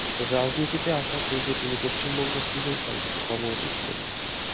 রাজনীতিতে আসার পূর্বে তিনি পশ্চিমবঙ্গ সিভিল সার্ভিসে কর্মরত ছিলেন।